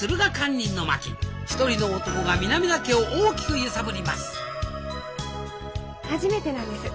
一人の男が南田家を大きく揺さぶります初めてなんです。